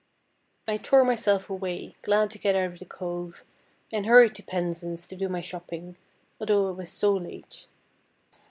I tore myself away, glad to get out of the cove, and hurried to Penzance to do my shopping, although it was so late.